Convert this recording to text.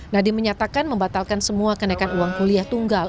nadiem menyatakan membatalkan semua kenaikan uang kuliah tunggal